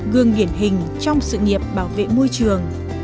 gương điển hình trong sự nghiệp bảo vệ môi trường